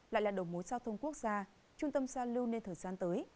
lại là đầu mối giao thông quốc gia trung tâm giao lưu nên thời gian tới